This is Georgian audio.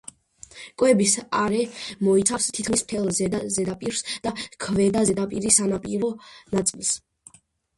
კვების არე მოიცავს თითქმის მთელ ზედა ზედაპირს და ქვედა ზედაპირის სანაპირო ნაწილს.